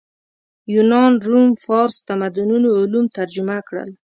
یونان روم فارس تمدنونو علوم ترجمه کړل